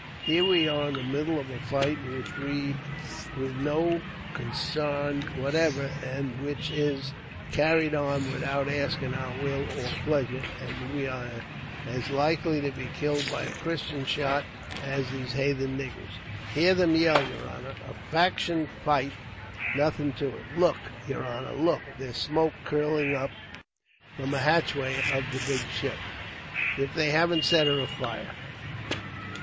"Here we are, in the middle of a fight in which we've no consarn whatever, and which is carried on without asking our will or pleasure; and we are as likely to be killed by a Christian shot, as these hathen niggers. "Hear them yell, yer honor. A faction fight's nothing to it. Look, yer honor, look! There's smoke curling up from a hatchway of the big ship. If they haven't set her afire!"